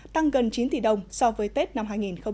tăng gần chín tỷ đồng so với tết năm hai nghìn hai mươi